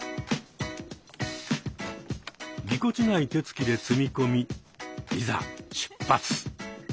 ぎこちない手つきで積み込みいざ出発！